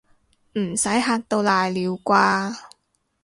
唔使嚇到瀨尿啩